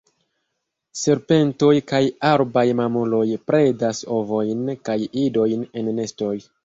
Serpentoj kaj arbaj mamuloj predas ovojn kaj idojn en nestoj.